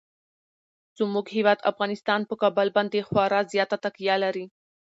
زموږ هیواد افغانستان په کابل باندې خورا زیاته تکیه لري.